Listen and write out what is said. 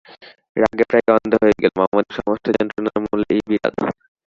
রাগে প্রায় অন্ধ হয়ে গেলাম-আমাদের সমস্ত যন্ত্রণার মূলে এই বিড়াল।